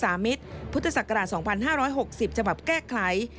สรรพสามิตรพุทธศักราช๒๕๖๐ฉบับแก้ไข